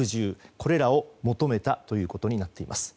これらを求めたということになっています。